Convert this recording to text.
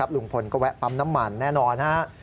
ลุงพลก็แวะปั๊มน้ำมันแน่นอนฮะ